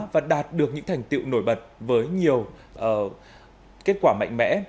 nhưng khi đạt được những thành tiệu nổi bật với nhiều kết quả mạnh mẽ